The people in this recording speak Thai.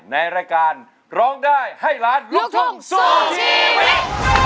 ในรายการร้องได้ให้ล้านลูกทุ่งสู้ชีวิต